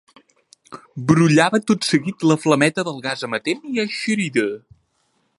Brollava tot seguit la flameta del gas amatent i eixerida.